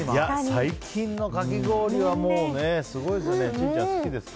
最近のかき氷はもうすごいですよね。